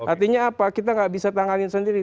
artinya apa kita nggak bisa tanganin sendiri